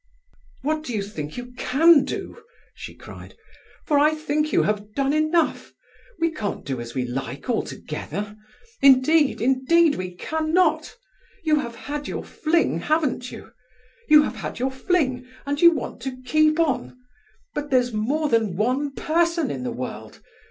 "What do you think you can do?" she cried. "For I think you have done enough. We can't do as we like altogether—indeed, indeed we cannot. You have had your fling, haven't you? You have had your fling, and you want to keep on. But there's more than one person in the world.